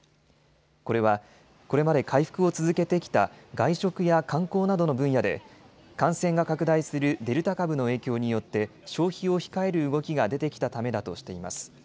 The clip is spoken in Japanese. これはこれまで回復を続けてきた外食や観光などの分野で感染が拡大するデルタ株の影響によって消費を控える動きが出てきたためだとしています。